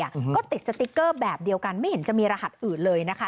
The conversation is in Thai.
อืมก็ติดสติ๊กเกอร์แบบเดียวกันไม่เห็นจะมีรหัสอื่นเลยนะคะ